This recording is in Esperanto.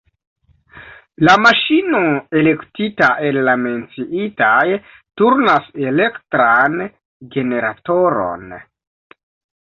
La maŝino elektita el la menciitaj turnas elektran generatoron.